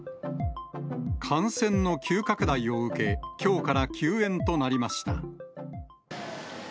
感染の急拡大を受け、きょうから休園となりました。